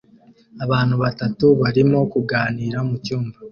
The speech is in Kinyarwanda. Abantu batatu barimo kuganira mucyumba